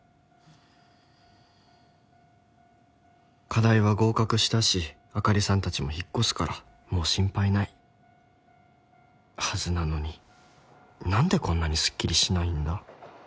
課題は合格したしあかりさんたちも引っ越すからもう心配ないはずなのに何でこんなにすっきりしないんだ？